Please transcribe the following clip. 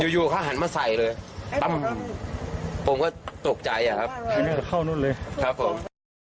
อยู่อยู่เขาหันมาใส่เลยปั๊บผมก็ตกใจอ่ะครับครับผม